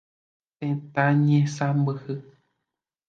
Tetã ñesãmbyhy.